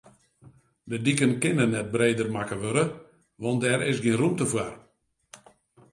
De diken kinne net breder makke wurde, want dêr is gjin rûmte foar.